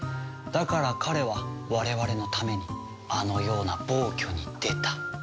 だから彼は我々のためにあのような暴挙に出た。